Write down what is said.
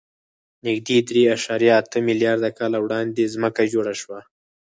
نږدې درې اعشاریه اته میلیارده کاله وړاندې ځمکه جوړه شوه.